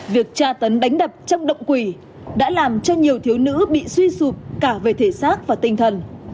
việc tra tấn đánh đập trong động quỷ đã làm cho nhiều thiếu nữ bị suy sụp cả về thể xác và tinh thần